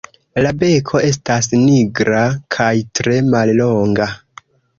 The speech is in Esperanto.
La beko estas nigra kaj tre mallonga.